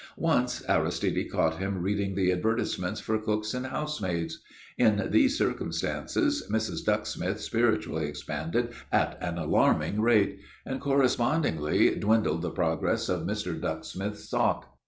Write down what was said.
Once Aristide caught him reading the advertisements for cooks and housemaids. In these circumstances Mrs. Ducksmith spiritually expanded at an alarming rate; and, correspondingly, dwindled the progress of Mr. Ducksmith's sock.